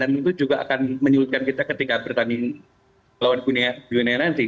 dan itu juga akan menyulitkan kita ketika bertanding lawan guinea nanti